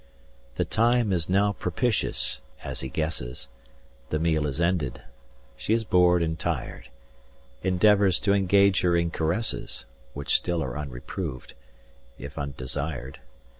The time is now propitious, as he guesses, 235 The meal is ended, she is bored and tired, Endeavours to engage her in caresses Which still are unreproved, if undesired.